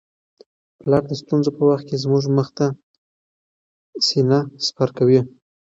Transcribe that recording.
پلار د ستونزو په وخت کي زموږ مخ ته سینه سپر کوي.